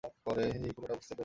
হেই, পুরোটা বুঝতে পেরেছ?